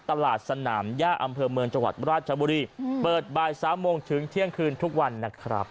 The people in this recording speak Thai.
สนามย่าอำเภอเมืองจังหวัดราชบุรีเปิดบ่าย๓โมงถึงเที่ยงคืนทุกวันนะครับ